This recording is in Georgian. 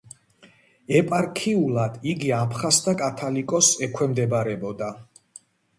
ეპარქიულად იგი აფხაზთა კათოლიკოსს ექვემდებარებოდა.